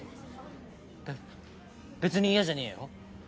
べ別に嫌じゃねぇよ